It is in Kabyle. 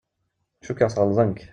Cukkeɣ sɣelḍen-k.